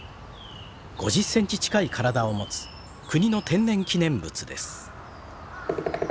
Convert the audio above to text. ５０センチ近い体を持つ国の天然記念物です。